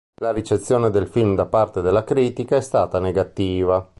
La ricezione del film da parte della critica è stata negativa.